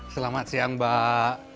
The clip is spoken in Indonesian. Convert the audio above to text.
selamat siang mbak